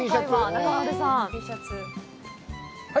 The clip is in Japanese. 中丸さん。